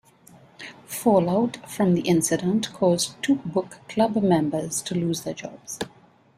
Fallout from the incident caused two book club members to lose their jobs.